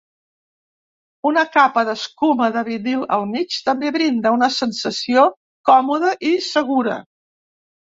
Una capa d'escuma de vinil al mig també brinda una sensació còmoda i segura.